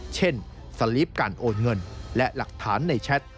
สลิปการโอนเงินและหลักฐานในแชท